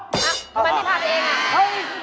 มานี่พาไปเอง